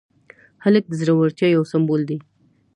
هلک د زړورتیا یو سمبول دی.